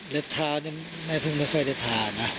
เท้านี่แม่เพิ่งไม่ค่อยได้ทานะ